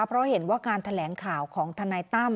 เพราะเห็นว่าการแถลงข่าวของทนายตั้ม